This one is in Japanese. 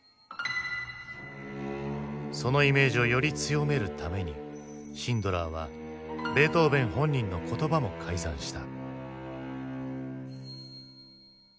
そのイメージをより強めるためにシンドラーはベートーヴェン本人の言葉も改ざんした。